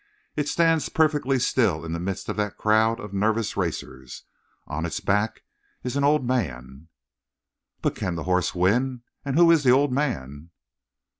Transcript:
It stands perfectly still in the midst of that crowd of nervous racers. On its back is an old man." "But can the horse win? And who is the old man?"